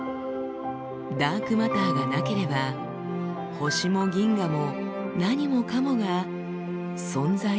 ダークマターがなければ星も銀河も何もかもが存在しなかったのです。